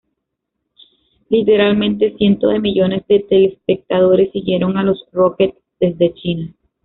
Literalmente cientos de millones de telespectadores siguieron a los Rockets desde China.